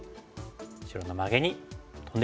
白のマゲにトンでいきました。